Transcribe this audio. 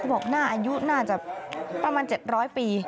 บอกหน้าอายุน่าจะประมาณ๗๐๐ปี